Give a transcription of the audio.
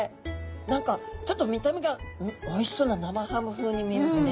何かちょっと見た目がおいしそうな生ハム風に見えますね。